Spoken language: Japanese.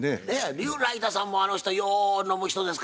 竜雷太さんはあの人よう飲む人ですからね。